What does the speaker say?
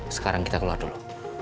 sekarang kita keluar dulu